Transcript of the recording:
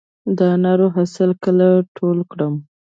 د انارو حاصل کله ټول کړم؟